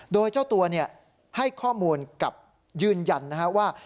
โดยเจ้าตัวเนี่ยให้ข้อมูลกับยืนยันนะฮะว่า